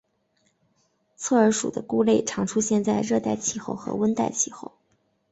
侧耳属的菇类常出现在热带气候和温带气候。